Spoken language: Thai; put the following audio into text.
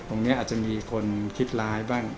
ตรงนี้อาจจะมีคนคิดร้ายบ้าง